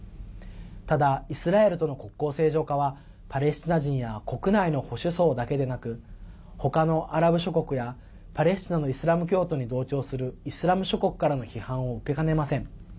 ただ、イスラエルとの国交正常化はパレスチナ人や国内の保守層だけでなくほかのアラブ諸国やパレスチナのイスラム教徒に同調するイスラム諸国からの批判を受けかねません。